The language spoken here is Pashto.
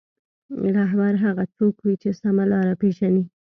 رهبر هغه څوک وي چې سمه لاره پېژني.